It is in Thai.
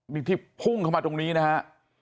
นี่ที่พุ่งเข้ามาตรงนี้นะฮะ